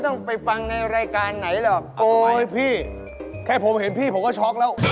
แต่มันน่ากลัวนะโอ้โฮ